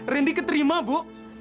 rendy keterima bu